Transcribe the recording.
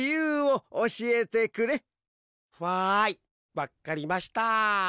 わっかりました。